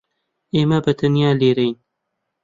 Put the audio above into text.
ئێمە بەتەنیا لێرەین.